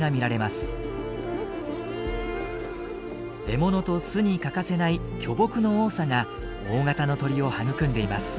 獲物と巣に欠かせない巨木の多さが大型の鳥を育んでいます。